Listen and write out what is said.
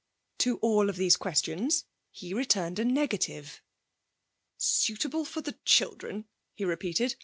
To all of these questions he returned a negative. 'Suitable for the children?' he repeated.